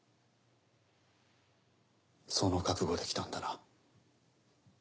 その覚悟で来たんだな？